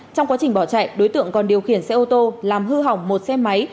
trong quá trình bỏ chạy đối tượng còn điều khiển xe ô tô làm hư hỏng một xe máy